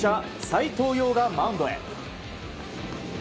斎藤蓉がマウンドへ。